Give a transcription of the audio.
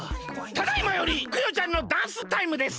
ただいまよりクヨちゃんのダンスタイムです！